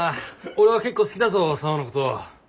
俺は結構好きだぞ沙和のこと。